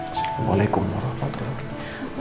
assalamualaikum warahmatullahi wabarakatuh